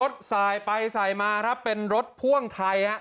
สายไปสายมาครับเป็นรถพ่วงไทยฮะ